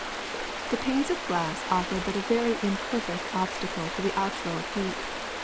The panes of glass offer but a very im perfect obstacle to the outflow of heat.